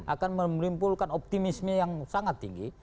akan menimbulkan optimisme yang sangat tinggi